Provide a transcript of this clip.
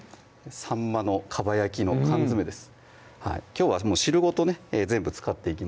さんまの蒲焼きの缶詰です